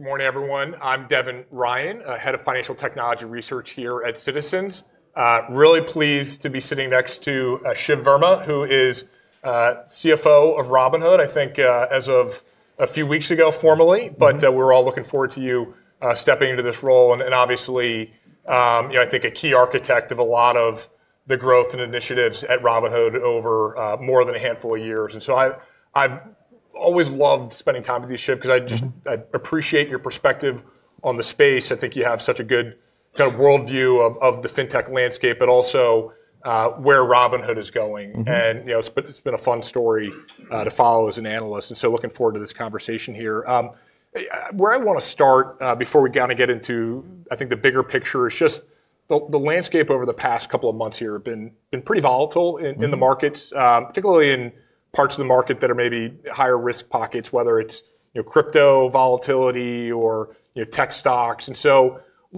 Okay. Good morning, everyone. I'm Devin Ryan, head of Financial Technology Research here at Citizens. Really pleased to be sitting next to Shiv Verma, who is CFO of Robinhood, I think, as of a few weeks ago formally. We're all looking forward to you stepping into this role and obviously, you know, I think a key architect of a lot of the growth and initiatives at Robinhood over more than a handful of years. I've always loved spending time with you, Shiv, 'cause I just—I appreciate your perspective on the space. I think you have such a good kind of worldview of the fintech landscape, but also where Robinhood is going. You know, it's been a fun story to follow as an analyst, and so looking forward to this conversation here. Where I wanna start, before we kinda get into, I think the bigger picture is just the landscape over the past couple of months here have been pretty volatile in the markets, particularly in parts of the market that are maybe higher risk pockets, whether it's, you know, crypto volatility or, you know, tech stocks.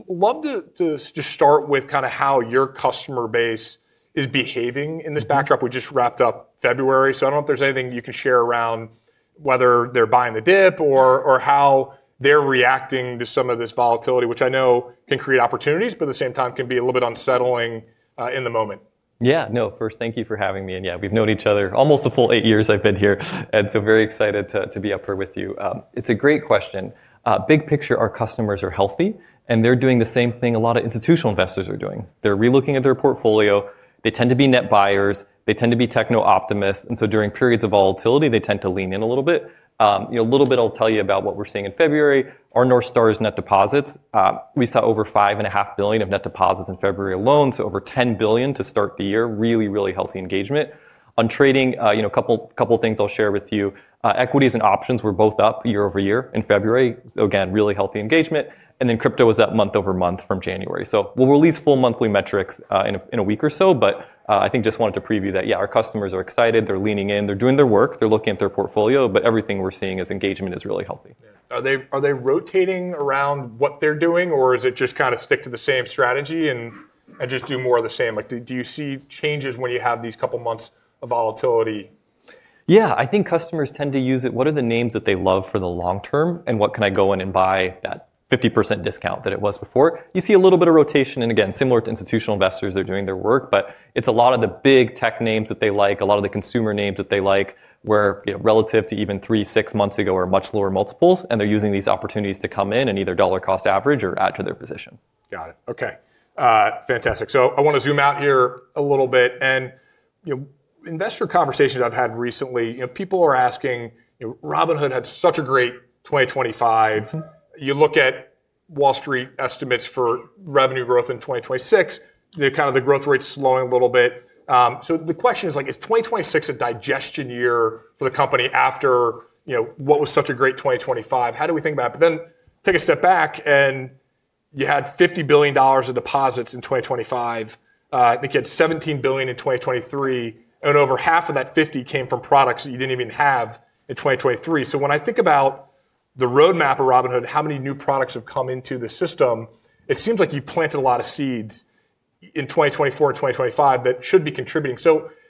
Love to start with kinda how your customer base is behaving in this backdrop. We just wrapped up February, I don't know if there's anything you can share around whether they're buying the dip or how they're reacting to some of this volatility, which I know can create opportunities, but at the same time can be a little bit unsettling in the moment. Yeah. No. First, thank you for having me. Yeah, we've known each other almost the full eight years I've been here, very excited to be up here with you. It's a great question. Big picture, our customers are healthy, they're doing the same thing a lot of institutional investors are doing. They're relooking at their portfolio. They tend to be net buyers. They tend to be techno-optimists, during periods of volatility, they tend to lean in a little bit. You know, a little bit I'll tell you about what we're seeing in February. Our North Star is net deposits. We saw over $5.5 billion of net deposits in February alone, over $10 billion to start the year. Really healthy engagement. On trading, you know, a couple of things I'll share with you. Equities and options were both up year-over-year in February, so again, really healthy engagement. Then crypto was up month-over-month from January. We'll release full monthly metrics in a week or so, but I think just wanted to preview that, yeah, our customers are excited. They're leaning in. They're doing their work. They're looking at their portfolio, but everything we're seeing is engagement is really healthy. Yeah. Are they rotating around what they're doing, or is it just kinda stick to the same strategy and just do more of the same? Like, do you see changes when you have these couple months of volatility? Yeah. I think customers tend to use it, what are the names that they love for the long term, what can I go in and buy at 50% discount that it was before? You see a little bit of rotation, again, similar to institutional investors, they're doing their work, it's a lot of the big tech names that they like, a lot of the consumer names that they like, where, you know, relative to even three, six months ago are much lower multiples, they're using these opportunities to come in and either dollar-cost average or add to their position. Got it. Okay. fantastic. I wanna zoom out here a little bit. You know, investor conversations I've had recently, you know, people are asking, you know, Robinhood had such a great 2025. You look at Wall Street estimates for revenue growth in 2026, the kind of the growth rate's slowing a little bit. The question is like, is 2026 a digestion year for the company after, you know, what was such a great 2025? How do we think about it? Take a step back and you had $50 billion of deposits in 2025. I think you had $17 billion in 2023, and over half of that $50 billion came from products that you didn't even have in 2023. When I think about the roadmap of Robinhood, how many new products have come into the system, it seems like you planted a lot of seeds in 2024 and 2025 that should be contributing.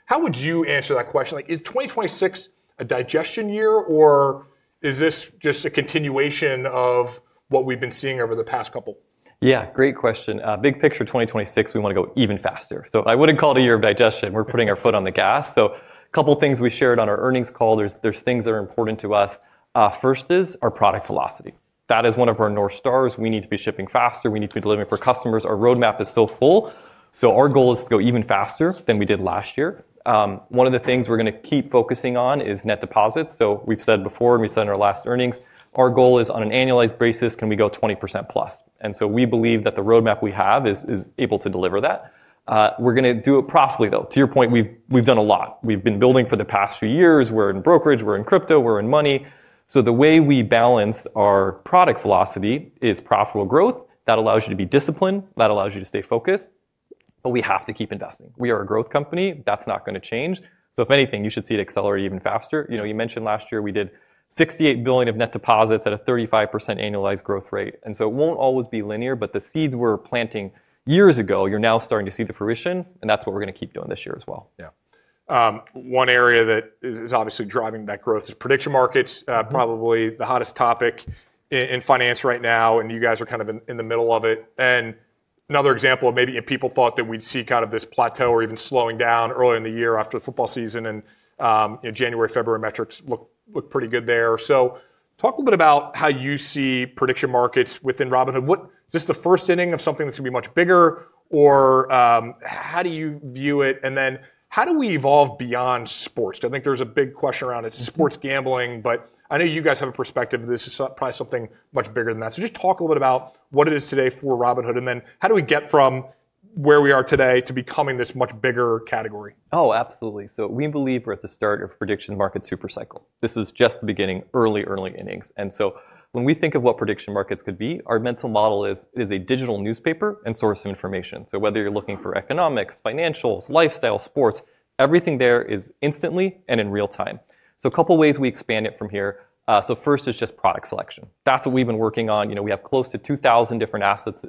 How would you answer that question? Is 2026 a digestion year, or is this just a continuation of what we've been seeing over the past couple? Yeah, great question. Big picture, 2026, we wanna go even faster. I wouldn't call it a year of digestion. We're putting our foot on the gas. Couple things we shared on our earnings call. There's things that are important to us. First is our product velocity. That is one of our North Stars. We need to be shipping faster. We need to be delivering for customers. Our roadmap is still full, so our goal is to go even faster than we did last year. One of the things we're gonna keep focusing on is net deposits. We've said before, and we said in our last earnings, our goal is on an annualized basis, can we go 20%+? We believe that the roadmap we have is able to deliver that. We're gonna do it profitably, though. To your point, we've done a lot. We've been building for the past few years. We're in brokerage, we're in crypto, we're in money. The way we balance our product velocity is profitable growth. That allows you to be disciplined. That allows you to stay focused. We have to keep investing. We are a growth company. That's not gonna change. If anything, you should see it accelerate even faster. You know, you mentioned last year we did $68 billion of net deposits at a 35% annualized growth rate. It won't always be linear, but the seeds we were planting years ago, you're now starting to see the fruition, and that's what we're gonna keep doing this year as well. Yeah. One area that is obviously driving that growth is prediction markets. Probably the hottest topic in finance right now, you guys are kind of in the middle of it. Another example of maybe if people thought that we'd see kind of this plateau or even slowing down early in the year after the football season and, you know, January, February metrics look pretty good there. Talk a little bit about how you see prediction markets within Robinhood. What? Is this the first inning of something that's gonna be much bigger? Or, how do you view it? Then how do we evolve beyond sports? I think there's a big question around it. It's sports gambling. I know you guys have a perspective this is probably something much bigger than that. Just talk a little bit about what it is today for Robinhood, and then how do we get from where we are today to becoming this much bigger category? Oh, absolutely. We believe we're at the start of prediction market supercycle. This is just the beginning, early innings. When we think of what prediction markets could be, our mental model is a digital newspaper and source of information. Whether you're looking for economics, financials, lifestyle, sports. Everything there is instantly and in real time. A couple ways we expand it from here. First is just product selection. That's what we've been working on. You know, we have close to 2,000 different assets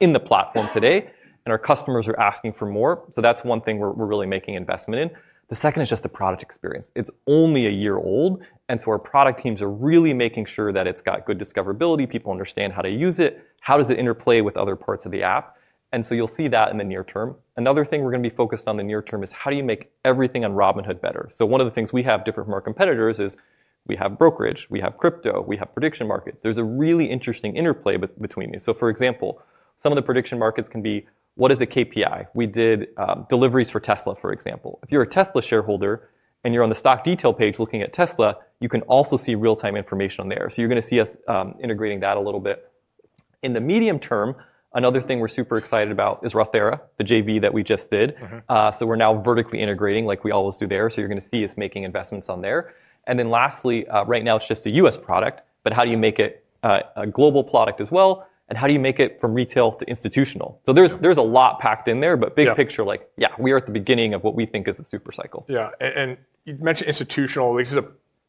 in the platform today, and our customers are asking for more. That's one thing we're really making investment in. The second is just the product experience. It's only a year old. Our product teams are really making sure that it's got good discoverability, people understand how to use it, how does it interplay with other parts of the app, and so you'll see that in the near term. Another thing we're gonna be focused on the near term is how do you make everything on Robinhood better? One of the things we have different from our competitors is we have brokerage, we have crypto, we have prediction markets. There's a really interesting interplay between these. For example, some of the prediction markets can be, what is the KPI? We did deliveries for Tesla, for example. If you're a Tesla shareholder and you're on the stock detail page looking at Tesla, you can also see real-time information on there. You're gonna see us integrating that a little bit. In the medium term, another thing we're super excited about is Rothera, the JV that we just did. We're now vertically integrating like we always do there, so you're gonna see us making investments on there. Lastly, right now it's just a U.S. product, but how do you make it a global product as well, and how do you make it from retail to institutional? There's a lot packed in there. Yeah. Big picture, like, yeah, we are at the beginning of what we think is the supercycle. Yeah. You mentioned institutional. This is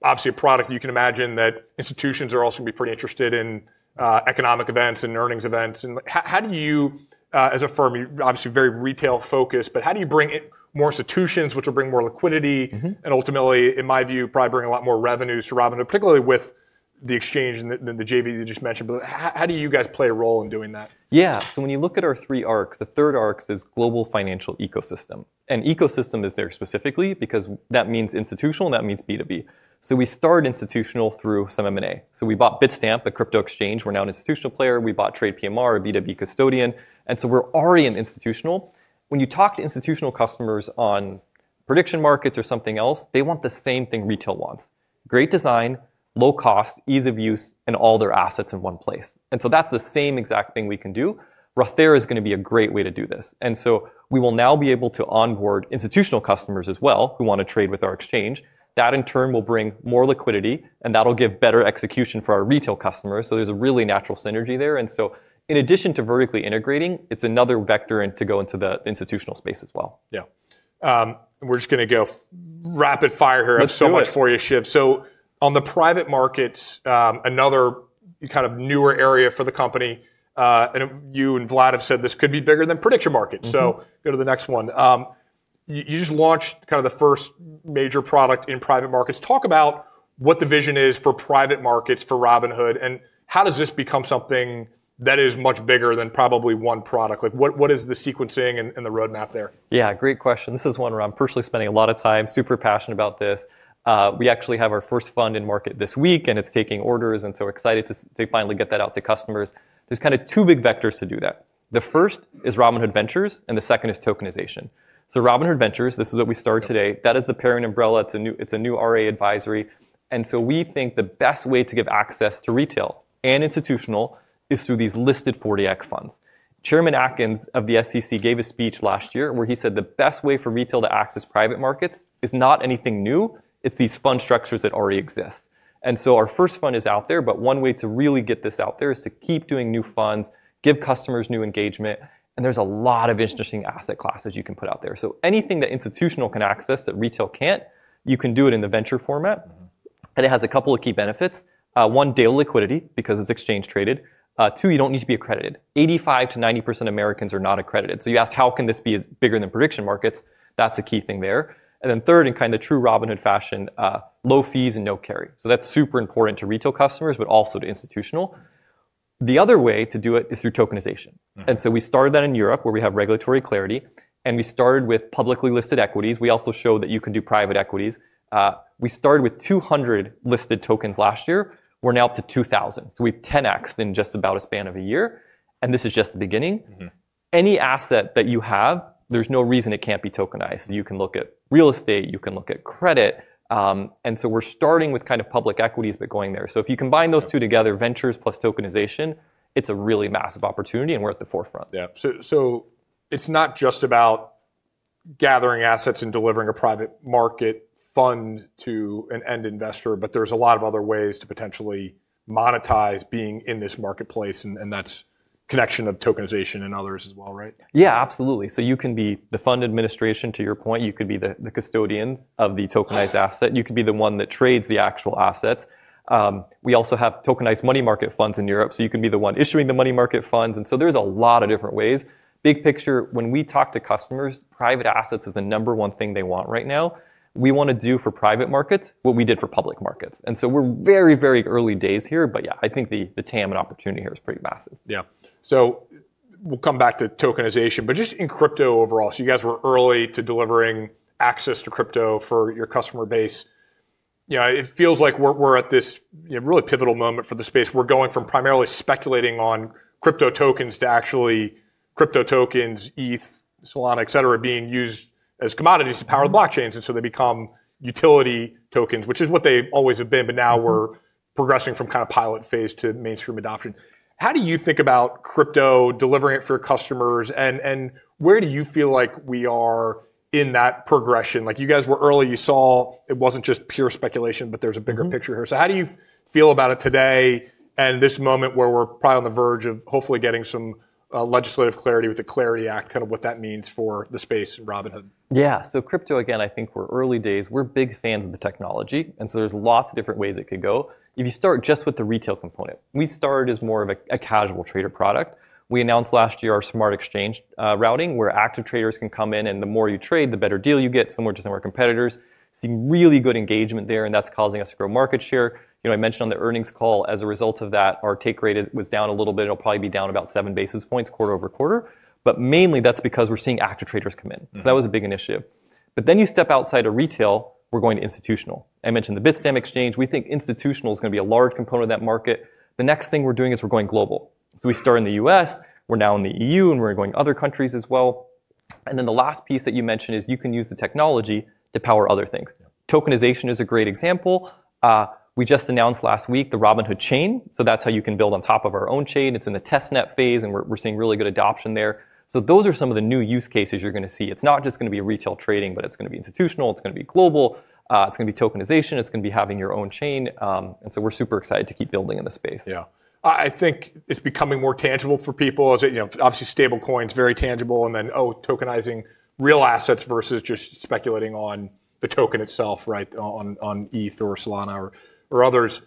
obviously a product you can imagine that institutions are also gonna be pretty interested in economic events and earnings events. Like, how do you, as a firm, you're obviously very retail focused, but how do you bring in more institutions which will bring more liquidity? Ultimately, in my view, probably bring a lot more revenues to Robin, and particularly with the exchange and the JV that you just mentioned. How do you guys play a role in doing that? When you look at our three arcs, the third arcs is global financial ecosystem. Ecosystem is there specifically because that means institutional and that means B2B. We start institutional through some M&A. We bought Bitstamp, the crypto exchange. We're now an institutional player. We bought TradePMR, a B2B custodian, and so we're already in institutional. When you talk to institutional customers on prediction markets or something else, they want the same thing retail wants: great design, low cost, ease of use, and all their assets in one place. That's the same exact thing we can do. Rothera is gonna be a great way to do this. We will now be able to onboard institutional customers as well who wanna trade with our exchange. That in turn will bring more liquidity, and that'll give better execution for our retail customers, so there's a really natural synergy there. In addition to vertically integrating, it's another vector in to go into the institutional space as well. Yeah. We're just gonna go rapid fire here. Let's do it. I have so much for you, Shiv. On the private markets, another kind of newer area for the company, you and Vlad have said this could be bigger than prediction markets. Go to the next one. You just launched kind of the first major product in private markets. Talk about what the vision is for private markets for Robinhood, and how does this become something that is much bigger than probably one product? Like, what is the sequencing and the roadmap there? Yeah, great question. This is one where I'm personally spending a lot of time, super passionate about this. We actually have our first fund in market this week, and it's taking orders, excited to finally get that out to customers. There's kinda two big vectors to do that. The first is Robinhood Ventures, and the second is tokenization. Robinhood Ventures, this is what we started today. That is the parent umbrella. It's a new RIA advisory. We think the best way to give access to retail and institutional is through these listed 40 Act funds. Paul Atkins of the SEC gave a speech last year where he said the best way for retail to access private markets is not anything new, it's these fund structures that already exist. Our first fund is out there, but one way to really get this out there is to keep doing new funds, give customers new engagement, and there's a lot of interesting asset classes you can put out there. Anything that institutional can access that retail can't, you can do it in the venture format. It has a couple of key benefits. One, daily liquidity because it's exchange traded. Two, you don't need to be accredited. 85%-90% of Americans are not accredited. You ask how can this be as bigger than prediction markets, that's a key thing there. Third, in kind of true Robinhood fashion, low fees and no carry. That's super important to retail customers, but also to institutional. The other way to do it is through tokenization. We started that in Europe, where we have regulatory clarity, and we started with publicly listed equities. We also showed that you can do private equities. We started with 200 listed tokens last year. We're now up to 2,000, so we've 10x-ed in just about a span of a year, and this is just the beginning. Any asset that you have, there's no reason it can't be tokenized. You can look at real estate, you can look at credit. We're starting with kind of public equities, but going there. If you combine those two together, ventures plus tokenization, it's a really massive opportunity, and we're at the forefront. Yeah. It's not just about gathering assets and delivering a private market fund to an end investor, but there's a lot of other ways to potentially monetize being in this marketplace, and that's connection of tokenization and others as well, right? You can be the fund administration, to your point. You could be the custodian of the tokenized asset. You could be the one that trades the actual assets. We also have tokenized money market funds in Europe, so you can be the one issuing the money market funds. There's a lot of different ways. Big picture, when we talk to customers, private assets is the number one thing they want right now. We wanna do for private markets what we did for public markets. We're very early days here, but yeah, I think the TAM and opportunity here is pretty massive. Yeah. We'll come back to tokenization, but just in crypto overall. You guys were early to delivering access to crypto for your customer base. You know, it feels like we're at this, you know, really pivotal moment for the space. We're going from primarily speculating on crypto tokens to actually crypto tokens, ETH, Solana, et cetera, being used as commodities to power the blockchains. They become utility tokens, which is what they always have been. Now we're progressing from kind of pilot phase to mainstream adoption. How do you think about crypto, delivering it for your customers, and where do you feel like we are in that progression? Like, you guys were early. You saw it wasn't just pure speculation, but there's a bigger picture here. How do you feel about it today and this moment where we're probably on the verge of hopefully getting some legislative clarity with the Clarity Act, kind of what that means for the space at Robinhood? Crypto, again, I think we're early days. We're big fans of the technology, there's lots of different ways it could go. If you start just with the retail component, we started as more of a casual trader product. We announced last year our smart exchange routing, where active traders can come in, the more you trade, the better deal you get, similar to some of our competitors. Seeing really good engagement there, that's causing us to grow market share. You know, I mentioned on the earnings call, as a result of that, our take rate was down a little bit. It'll probably be down about 7 basis points quarter-over-quarter. Mainly, that's because we're seeing active traders come in. That was a big initiative. You step outside of retail, we're going to institutional. I mentioned the Bitstamp exchange. We think institutional is gonna be a large component of that market. The next thing we're doing is we're going global. We started in the U.S., we're now in the E.U., and we're going other countries as well. The last piece that you mentioned is you can use the technology to power other things. Tokenization is a great example. We just announced last week the Robinhood Chain, that's how you can build on top of our own chain. It's in the testnet phase, and we're seeing really good adoption there. Those are some of the new use cases you're gonna see. It's not just gonna be retail trading, but it's gonna be institutional, it's gonna be global, it's gonna be tokenization, it's gonna be having your own chain. We're super excited to keep building in the space. Yeah. I think it's becoming more tangible for people as they, you know, obviously Stablecoin's very tangible, and then, oh, tokenizing real assets versus just speculating on the token itself, right, on ETH or Solana or others.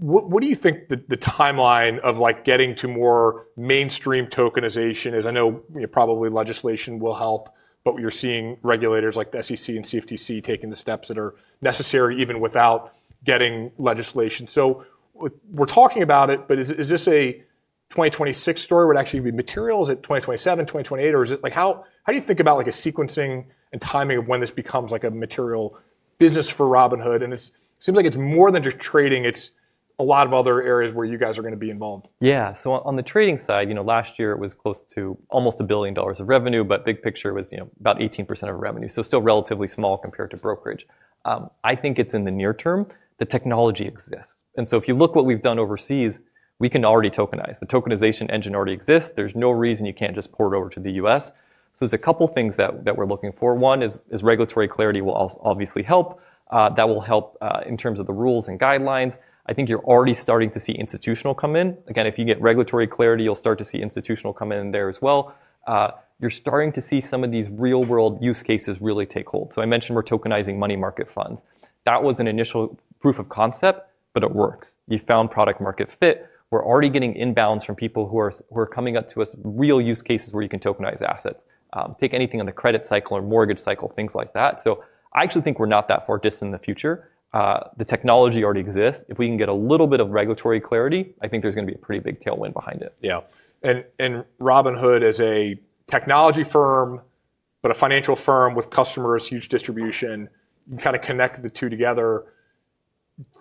What do you think the timeline of, like, getting to more mainstream tokenization is? I know, you know, probably legislation will help, but you're seeing regulators like the SEC and CFTC taking the steps that are necessary even without getting legislation. We're talking about it, but is this a 2026 story? Would actually be materials at 2027, 2028, or is it, like how do you think about, like, a sequencing and timing of when this becomes, like, a material business for Robinhood? Seems like it's more than just trading, it's a lot of other areas where you guys are gonna be involved. Yeah. On the trading side, you know, last year it was close to almost $1 billion of revenue, big picture was, you know, about 18% of our revenue, still relatively small compared to brokerage. I think it's in the near term. The technology exists. If you look what we've done overseas, we can already tokenize. The tokenization engine already exists. There's no reason you can't just port it over to the U.S. There's a couple things that we're looking for. One is regulatory clarity will obviously help. That will help, in terms of the rules and guidelines. I think you're already starting to see institutional come in. Again, if you get regulatory clarity, you'll start to see institutional come in there as well. You're starting to see some of these real-world use cases really take hold. I mentioned we're tokenizing money market funds. That was an initial proof of concept, but it works. You found product market fit. We're already getting inbounds from people who are coming up to us, real use cases where you can tokenize assets. Take anything on the credit cycle or mortgage cycle, things like that. I actually think we're not that far distant in the future. The technology already exists. If we can get a little bit of regulatory clarity, I think there's gonna be a pretty big tailwind behind it. Yeah. Robinhood as a technology firm, but a financial firm with customers, huge distribution, you kinda connect the two together.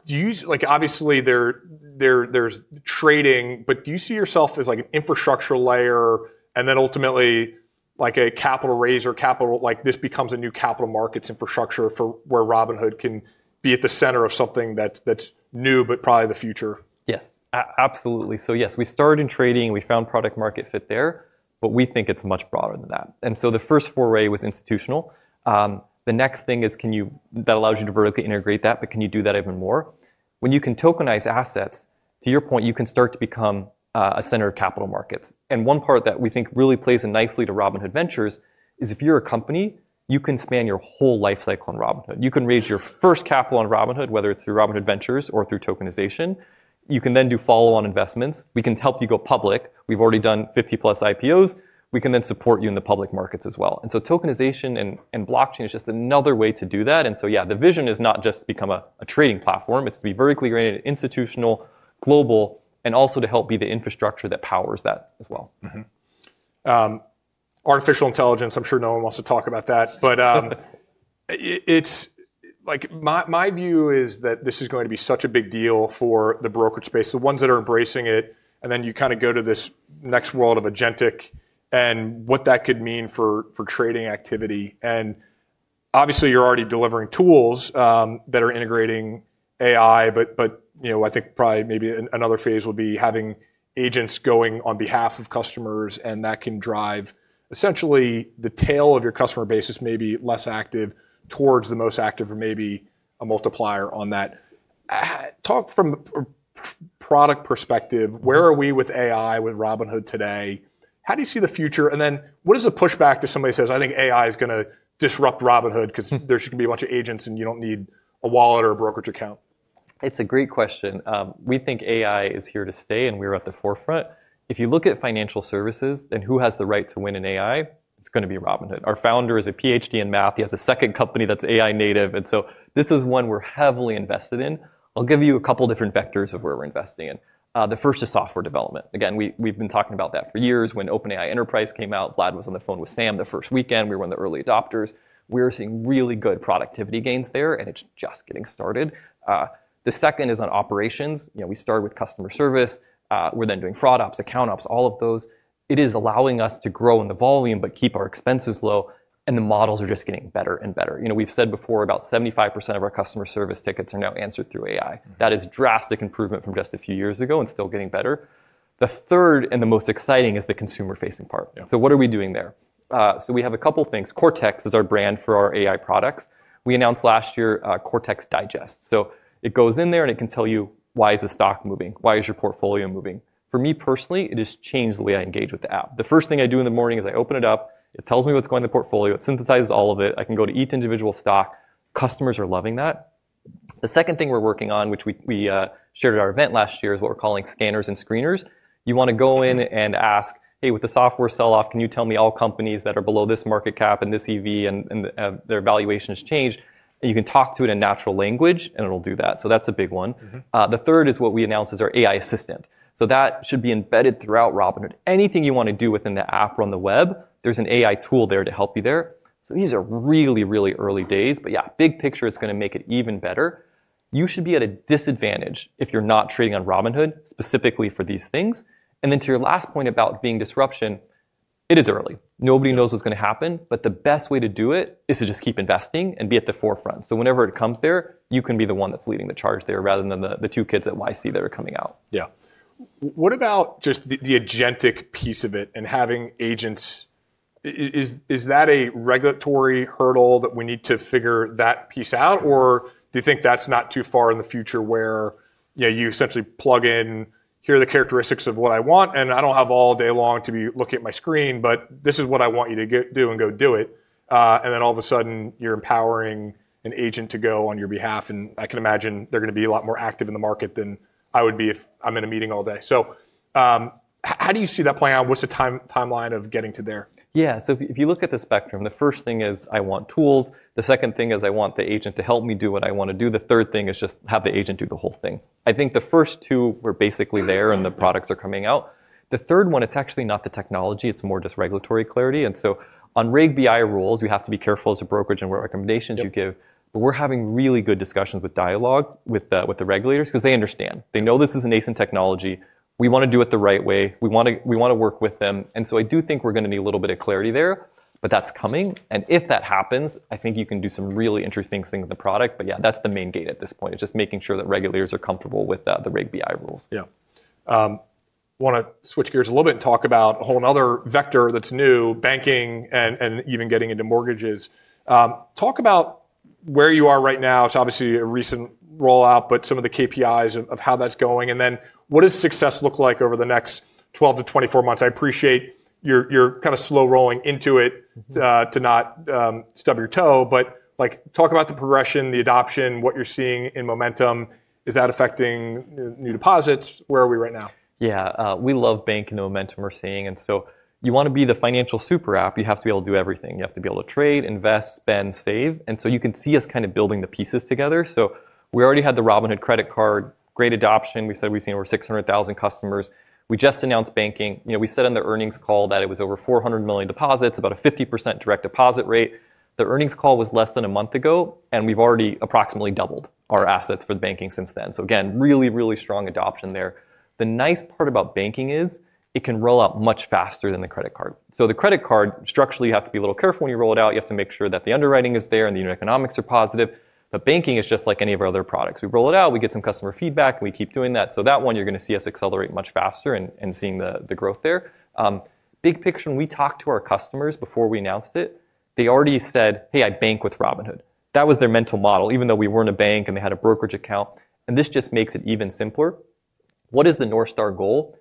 Do you like, obviously, there's trading, but do you see yourself as, like, an infrastructure layer and then ultimately, like, a capital raiser, like, this becomes a new capital markets infrastructure for where Robinhood can be at the center of something that's new but probably the future? Yes. Absolutely. Yes, we started in trading, and we found product market fit there, but we think it's much broader than that. The first foray was institutional. The next thing is That allows you to vertically integrate that, but can you do that even more? When you can tokenize assets, to your point, you can start to become a center of capital markets. One part that we think really plays in nicely to Robinhood Ventures is if you're a company, you can span your whole life cycle on Robinhood. You can raise your first capital on Robinhood, whether it's through Robinhood Ventures or through tokenization. You can do follow-on investments. We can help you go public. We've already done 50+ IPOs. We can support you in the public markets as well. Tokenization and blockchain is just another way to do that. Yeah, the vision is not just to become a trading platform, it's to be vertically integrated, institutional, global, and also to help be the infrastructure that powers that as well. Artificial intelligence, I'm sure no one wants to talk about that. It's, like, my view is that this is going to be such a big deal for the brokerage space, the ones that are embracing it, then you kinda go to this next world of agentic and what that could mean for trading activity. Obviously, you're already delivering tools that are integrating AI, but, you know, I think probably maybe another phase will be having agents going on behalf of customers, and that can drive essentially the tail of your customer base that's maybe less active towards the most active or maybe a multiplier on that. Talk from a product perspective, where are we with AI with Robinhood today? How do you see the future? Then what is the pushback to somebody says, "I think AI is gonna disrupt Robinhood 'cause there's gonna be a bunch of agents, and you don't need a wallet or a brokerage account"? It's a great question. We think AI is here to stay, and we're at the forefront. If you look at financial services and who has the right to win in AI, it's gonna be Robinhood. Our founder is a PhD in Math. He has a second company that's AI native, and so this is one we're heavily invested in. I'll give you a couple different vectors of where we're investing in. The first is software development. Again, we've been talking about that for years. When OpenAI Enterprise came out, Vlad was on the phone with Sam the first weekend. We were one of the early adopters. We're seeing really good productivity gains there, and it's just getting started. The second is on operations. You know, we started with customer service. We're then doing fraud ops, account ops, all of those. It is allowing us to grow in the volume but keep our expenses low. The models are just getting better and better. You know, we've said before about 75% of our customer service tickets are now answered through AI. That is drastic improvement from just a few years ago and still getting better. The third and the most exciting is the consumer-facing part. Yeah. What are we doing there? We have a couple things. Cortex is our brand for our AI products. We announced last year, Cortex Digests. It goes in there, and it can tell you why is the stock moving, why is your portfolio moving. For me, personally, it has changed the way I engage with the app. The first thing I do in the morning is I open it up, it tells me what's going in the portfolio, it synthesizes all of it. I can go to each individual stock. Customers are loving that. The second thing we're working on, which we shared at our event last year, is what we're calling scanners and screener. You wanna go in and ask, "Hey, with the software sell-off, can you tell me all companies that are below this market cap and this EV and their valuation has changed?" You can talk to it in natural language, and it'll do that. That's a big one. The third is what we announced as our AI assistant. That should be embedded throughout Robinhood. Anything you wanna do within the app or on the web, there's an AI tool there to help you there. These are really, really early days, but yeah, big picture, it's gonna make it even better. You should be at a disadvantage if you're not trading on Robinhood specifically for these things. To your last point about being disruption, it is early. Nobody knows what's gonna happen, but the best way to do it is to just keep investing and be at the forefront. Whenever it comes there, you can be the one that's leading the charge there, rather than the two kids at YC that are coming out. Yeah. What about just the agentic piece of it and having agents? Is that a regulatory hurdle that we need to figure that piece out, or do you think that's not too far in the future where, yeah, you essentially plug in, here are the characteristics of what I want, and I don't have all day long to be looking at my screen, but this is what I want you to do, and go do it? All of a sudden you're empowering an agent to go on your behalf, and I can imagine they're gonna be a lot more active in the market than I would be if I'm in a meeting all day. How do you see that playing out? What's the timeline of getting to there? Yeah. If you look at the spectrum, the first thing is, I want tools. The second thing is, I want the agent to help me do what I wanna do. The third thing is just have the agent do the whole thing. I think the first two were basically there, and the products are coming out. The third one, it's actually not the technology, it's more just regulatory clarity. On Reg BI rules, you have to be careful as a brokerage and what recommendations you give. Yep. We're having really good discussions with dialogue with the regulators 'cause they understand. They know this is a nascent technology. We wanna do it the right way. We wanna work with them. I do think we're gonna need a little bit of clarity there, but that's coming, and if that happens, I think you can do some really interesting things with the product. Yeah, that's the main gate at this point, is just making sure that regulators are comfortable with the Reg BI rules. Yeah. wanna switch gears a little bit and talk about a whole another vector that's new, banking, and even getting into mortgages. Talk about where you are right now. It's obviously a recent rollout, but some of the KPIs of how that's going, and then what does success look like over the next 12–24 months? I appreciate you're kinda slow rolling into it, to not stub your toe, but, like, talk about the progression, the adoption, what you're seeing in momentum. Is that affecting new deposits? Where are we right now? Yeah. We love banking, the momentum we're seeing. You wanna be the financial super app, you have to be able to do everything. You have to be able to trade, invest, spend, save. You can see us kinda building the pieces together. We already had the Robinhood credit card, great adoption. We said we've seen over 600,000 customers. We just announced banking. You know, we said on the earnings call that it was over $400 million deposits, about a 50% direct deposit rate. The earnings call was less than a month ago, and we've already approximately doubled our assets for the banking since then. Again, really, really strong adoption there. The nice part about banking is it can roll out much faster than the credit card. The credit card, structurally, you have to be a little careful when you roll it out. You have to make sure that the underwriting is there and the unit economics are positive. Banking is just like any of our other products. We roll it out, we get some customer feedback, we keep doing that. That one, you're gonna see us accelerate much faster in seeing the growth there. Big picture, when we talked to our customers before we announced it, they already said, "Hey, I bank with Robinhood." That was their mental model, even though we weren't a bank, and they had a brokerage account, and this just makes it even simpler. What is the North Star goal?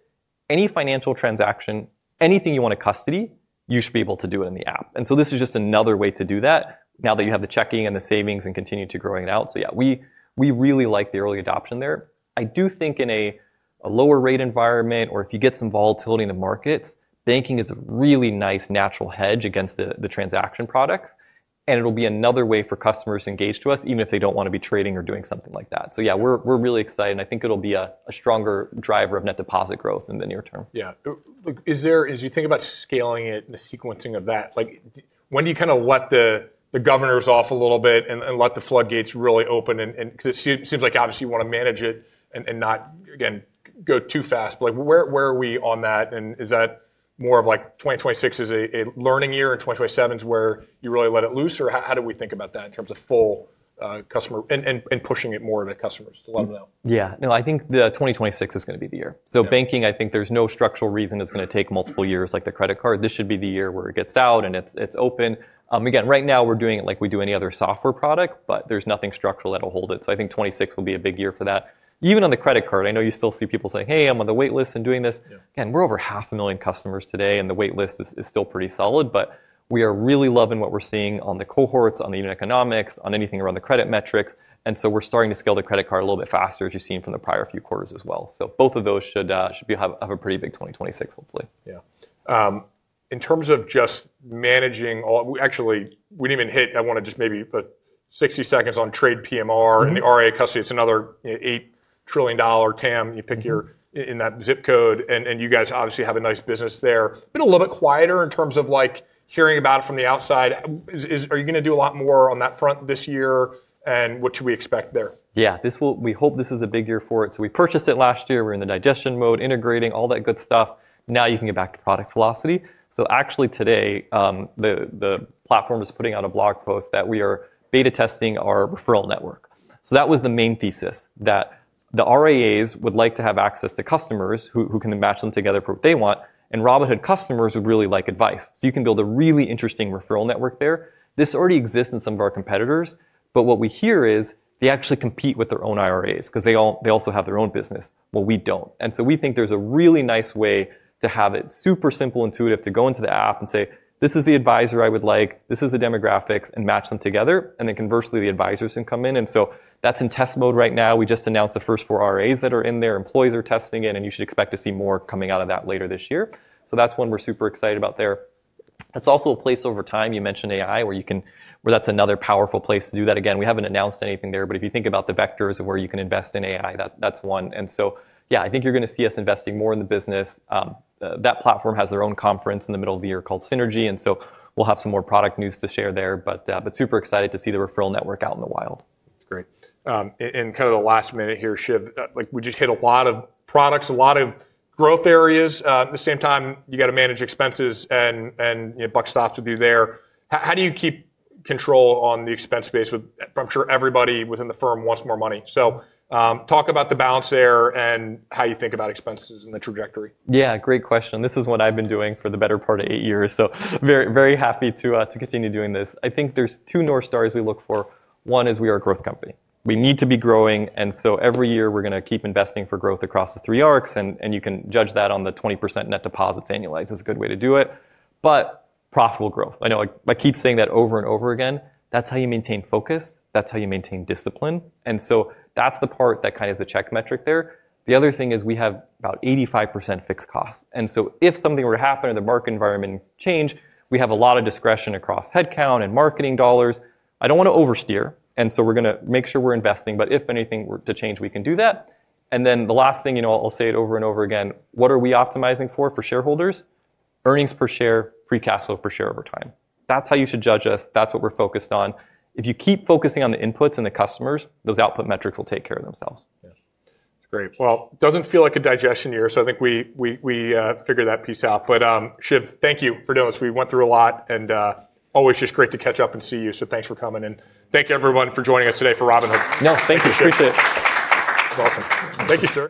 Any financial transaction, anything you want to custody, you should be able to do it in the app. This is just another way to do that now that you have the checking and the savings and continue to growing it out. Yeah, we really like the early adoption there. I do think in a lower rate environment or if you get some volatility in the markets, banking is a really nice natural hedge against the transaction products, and it'll be another way for customers to engage to us, even if they don't wanna be trading or doing something like that. Yeah, we're really excited, and I think it'll be a stronger driver of net deposit growth in the near term. Yeah. Like, as you think about scaling it and the sequencing of that, like, when do you kinda let the governors off a little bit and let the floodgates really open? 'Cause it seems like obviously you wanna manage it and not, again, go too fast. Like, where are we on that, and is that more of like 2026 is a learning year and 2027's where you really let it loose? Or how do we think about that in terms of full customer and pushing it more to customers to let them know? Yeah. No, I think the 2026 is gonna be the year. Yeah. Banking, I think there's no structural reason it's going to take multiple years like the credit card. This should be the year where it gets out, and it's open. Again, right now we're doing it like we do any other software product, but there's nothing structural that'll hold it. I think 2026 will be a big year for that. Even on the credit card, I know you still see people say, "Hey, I'm on the wait list," and doing this. Yeah. We're over half a million customers today, the wait list is still pretty solid, we are really loving what we're seeing on the cohorts, on the unit economics, on anything around the credit metrics. We're starting to scale the credit card a little bit faster, as you've seen from the prior few quarters as well. Both of those should have a pretty big 2026, hopefully. Yeah. In terms of just managing we actually, we didn't even hit—I wanna just maybe put 60 seconds on TradePMR. The RIA custody. It's another $8 trillion TAM. You pick your—in that zip code, and you guys obviously have a nice business there. Been a little bit quieter in terms of like hearing about it from the outside. Are you gonna do a lot more on that front this year, and what should we expect there? Yeah. We hope this is a big year for it. We purchased it last year. We're in the digestion mode, integrating, all that good stuff. Now you can get back to product velocity. Actually today, the platform is putting out a blog post that we are beta testing our referral network. That was the main thesis, that the RIAs would like to have access to customers who can then match them together for what they want, and Robinhood customers would really like advice. You can build a really interesting referral network there. This already exists in some of our competitors, but what we hear is they actually compete with their own IRAs 'cause they also have their own business. Well, we don't. We think there's a really nice way to have it super simple, intuitive to go into the app and say, "This is the advisor I would like, this is the demographics," and match them together. Conversely, the advisors can come in and so that's in test mode right now. We just announced the first four RAs that are in there. Employees are testing it, and you should expect to see more coming out of that later this year. That's one we're super excited about there. It's also a place over time, you mentioned AI, where that's another powerful place to do that. Again, we haven't announced anything there, but if you think about the vectors of where you can invest in AI, that's one. Yeah, I think you're gonna see us investing more in the business. That platform has their own conference in the middle of the year called SYNERGY, and so we'll have some more product news to share there. Super excited to see the referral network out in the wild. Great. And kinda the last minute here, Shiv, like we just hit a lot of products, a lot of growth areas. At the same time, you gotta manage expenses and, you know, buck stops with you there. How do you keep control on the expense base with—I'm sure everybody within the firm wants more money? Talk about the balance there and how you think about expenses and the trajectory? Yeah, great question. This is what I've been doing for the better part of eight years, so very, very happy to continue doing this. I think there's two North Stars we look for. One is we are a growth company. We need to be growing, every year we're gonna keep investing for growth across the three arcs, and you can judge that on the 20% net deposits annualized. It's a good way to do it. Profitable growth, I know I keep saying that over and over again. That's how you maintain focus. That's how you maintain discipline, that's the part that kind of is the check metric there. The other thing is we have about 85% fixed costs, if something were to happen or the market environment change, we have a lot of discretion across headcount and marketing dollars. I don't wanna oversteer, we're gonna make sure we're investing, but if anything were to change, we can do that. The last thing, you know, I'll say it over and over again, what are we optimizing for for shareholders? Earnings per share, free cash flow per share over time. That's how you should judge us. That's what we're focused on. If you keep focusing on the inputs and the customers, those output metrics will take care of themselves. Yeah. That's great. Well, doesn't feel like a digestion year, so I think we figured that piece out. Shiv, thank you for doing this. We went through a lot and always just great to catch up and see you, so thanks for coming in. Thank you everyone for joining us today for Robinhood. No, thank you. Appreciate it. Awesome. Thank you, sir.